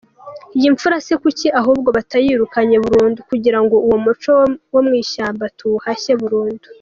Iyi mfura se kuki ahubwo batayirukanye burundu kugirango uwo muco womwishyamba tuwuhashye burundu?.